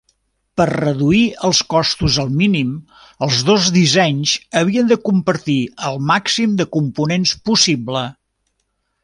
Per reduir els costos al mínim, els dos dissenys havien de compartir el màxim de components possible.